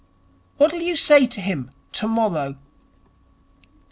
'What'll you say to him tomorrow?'